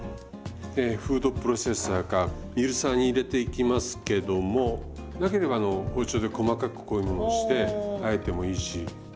フードプロセッサーかミルサーに入れていきますけどもなければ包丁で細かくこういうものをしてあえてもいいし。